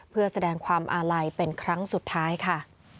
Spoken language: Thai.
เพื่อแสดงความอาลัยเป็นครั้งสุดท้ายค่ะ